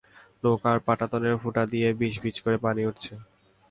নৌকার পাটাতনের ফুটা দিয়ে বিজবিজ করে পানি উঠছে।